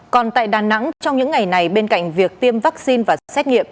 còn tại đà nẵng trong những ngày này bên cạnh việc tiêm vaccine và xét nghiệm